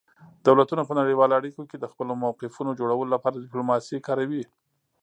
دولتونه په نړیوالو اړیکو کې د خپلو موقفونو جوړولو لپاره ډیپلوماسي کاروي